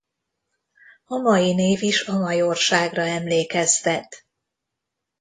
A mai név is a majorságra emlékeztet.